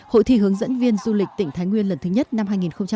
hội thi hướng dẫn viên du lịch tỉnh thái nguyên lần thứ nhất năm hai nghìn một mươi chín